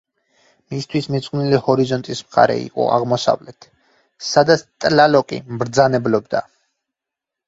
მისთვის მიძღვნილი ჰორიზონტის მხარე იყო აღმოსავლეთ, სადაც ტლალოკი მბრძანებლობდა.